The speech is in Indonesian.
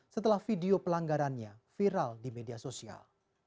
setelah video pelanggarannya viral di media sosial